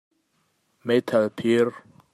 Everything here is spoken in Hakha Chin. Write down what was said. Meithal phir.